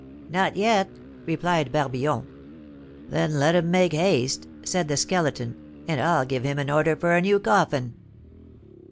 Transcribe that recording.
"Not yet," replied Barbillon. "Then let him make haste," said the Skeleton, "and I'll give him an order for a new coffin."